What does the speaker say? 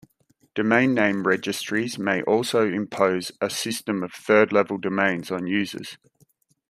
Domain name registries may also impose a system of third-level domains on users.